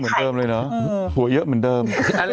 พ่อเฮ้ยหัวเยอะเหมือนเดิม